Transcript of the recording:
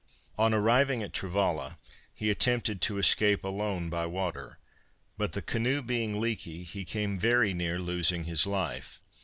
On arriving at Travalla, he attempted to escape alone by water, but the canoe being leaky, he came very near losing his life.